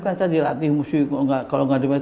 kan saya dilatih musuh kalau mengaduk